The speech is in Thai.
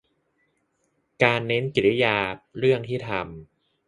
- การ เน้นกริยา เรื่องที่ทำ